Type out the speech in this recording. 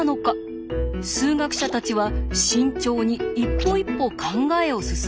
数学者たちは慎重に一歩一歩考えを進めていきました。